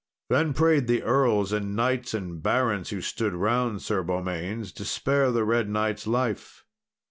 Then prayed the earls, and knights, and barons, who stood round Sir Beaumains, to spare the Red Knight's life.